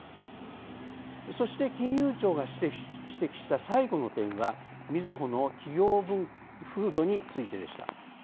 そして、金融庁が指摘した最後の点はみずほの企業風土についてでした。